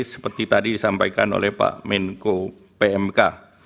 seperti tadi disampaikan oleh pak menko pmk